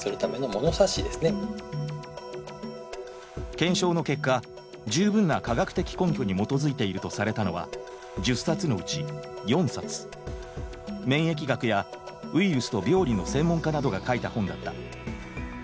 検証の結果十分な科学的根拠に基づいているとされたのは免疫学やウイルスと病理の専門家などが書いた本だった。